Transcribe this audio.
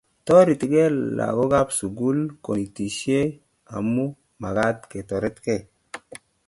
Toretigei lagookab sugul konetishie, amu magaat kotoretkei